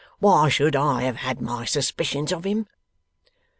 Why should I have had my suspicions of him?